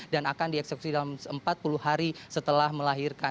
dan akan dieksekusi dalam empat puluh hari setelah melahirkan